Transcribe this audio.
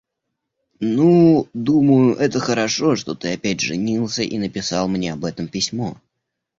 Ну, думаю, это хорошо, что ты опять женился и написал мне об этом письмо.